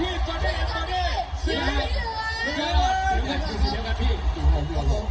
พี่จอนนี่อยู่สีเหลือง